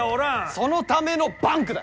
そのためのバンクだ。